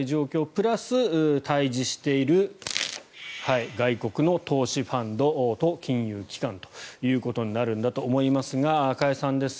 プラス対峙している外国の投資ファンドと金融機関ということになるんだと思いますが加谷さんです。